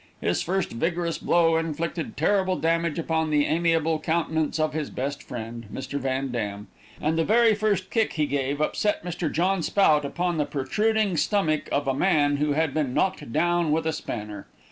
His first vigorous blow inflicted terrific damage upon the amiable countenance of his best friend, Mr. Van Dam, and the very first kick he gave upset Mr. John Spout upon the protruding stomach of a man who had been knocked down with a spanner.